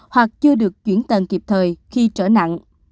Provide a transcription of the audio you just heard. hoặc chưa được chuyển tần kịp thời khi trở nặng